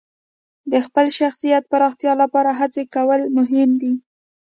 د خپل شخصیت پراختیا لپاره هڅې کول مهم دي.